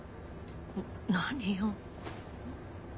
何よ。